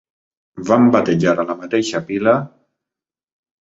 Van batejar a la mateixa pila